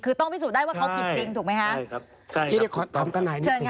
คือต้องพิสูจน์ได้ว่าเขาผิดจริงถูกไหมคะเพียรภาพไทยนี่ครับก่อนข้อมูลให้ว่า